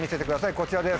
こちらです。